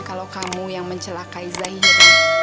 kalau kamu yang mencelakai